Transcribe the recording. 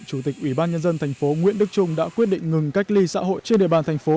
chủ tịch ủy ban nhân dân thành phố nguyễn đức trung đã quyết định ngừng cách ly xã hội trên địa bàn thành phố